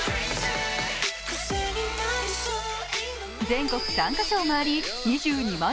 全国３カ所を回り２２万